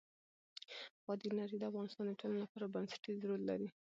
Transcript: بادي انرژي د افغانستان د ټولنې لپاره بنسټيز رول لري.